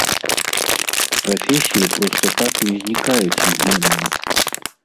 Прафесіі проста так не знікаюць імгненна.